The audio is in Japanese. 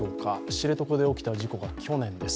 知床で起きた事故が去年です。